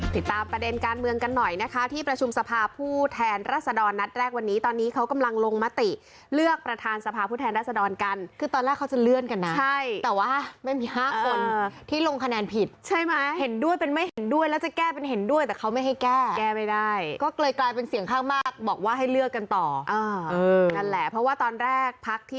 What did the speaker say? ติดตามประเด็นการเมืองกันหน่อยนะคะที่ประชุมสภาผู้แทนรัศดรนัดแรกวันนี้ตอนนี้เขากำลังลงมติเลือกประธานสภาผู้แทนรัศดรกันคือตอนแรกเขาจะเลื่อนกันนะใช่แต่ว่าไม่มี๕คนที่ลงคะแนนผิดใช่ไหมเห็นด้วยเป็นไม่เห็นด้วยแล้วจะแก้เป็นเห็นด้วยแต่เขาไม่ให้แก้แก้ไม่ได้ก็เลยกลายเป็นเสียงข้างมากบอกว่าให้เลือกกันต่อนั่นแหละเพราะว่าตอนแรกพักที่